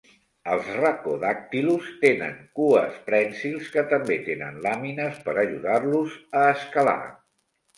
Els "Rhacodactylus" tenen cues prènsils que també tenen làmines per ajudar-los a escalar.